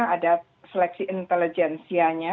ada seleksi intelijensianya